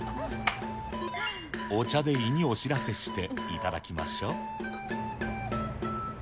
お茶で胃にお知らせして、頂きましょう。